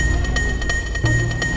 ini bukan roy kan